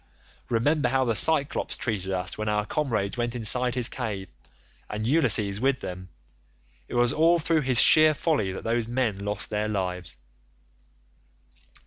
Remember how the Cyclops treated us when our comrades went inside his cave, and Ulysses with them. It was all through his sheer folly that those men lost their lives.